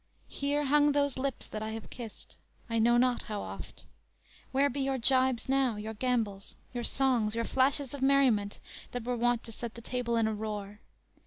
Here hung Those lips that I have kissed, I know not How oft. Where be your gibes now, your gambols? Your songs? Your flashes of merriment, That were wont to set the table in a roar?